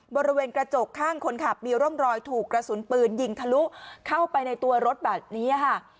บริเวณกระจกข้างคนขับมีร่องรอยถูกกระสุนปืนยิงทะลุเข้าไปในตัวรถแบบนี้ค่ะ